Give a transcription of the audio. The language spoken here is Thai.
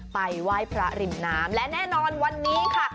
ไปไหว้พระริมน้ำและแน่นอนวันนี้ค่ะ